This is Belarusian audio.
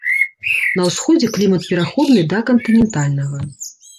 На ўсходзе клімат пераходны да кантынентальнага.